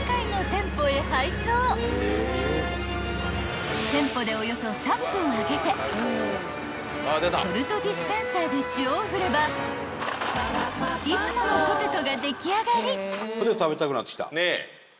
［店舗でおよそ３分揚げてソルトディスペンサーで塩を振ればいつものポテトが出来上がり］